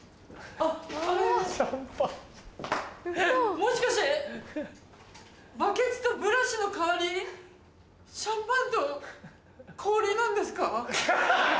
もしかしてバケツとブラシの代わりにシャンパンと氷なんですか？